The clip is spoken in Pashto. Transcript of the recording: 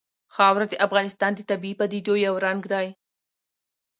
خاوره د افغانستان د طبیعي پدیدو یو رنګ دی.